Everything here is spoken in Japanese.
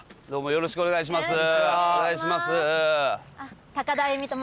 よろしくお願いします。